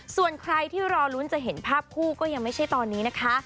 ส่วนใครที่รอลุ้นจะเห็นภาพคู่ก็ยังไม่ใช่ตอนนี้นะคะ